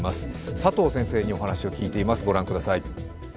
佐藤先生にお話を聞いています。